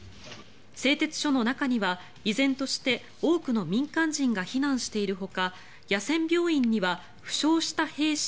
製鉄所の中には依然として多くの民間人が避難しているほか野戦病院には負傷した兵士